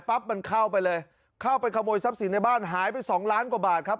มันเข้าไปเลยเข้าไปขโมยทรัพย์สินในบ้านหายไปสองล้านกว่าบาทครับ